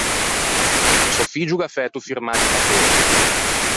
Sò figgio o gh’à fæto firmâ di papê.